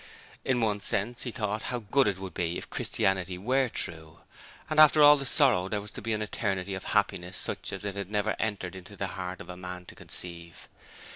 In one sense, he thought, how good it would be if Christianity were true, and after all the sorrow there was to be an eternity of happiness such as it had never entered into the heart of man to conceive?